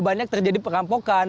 banyak terjadi perampokan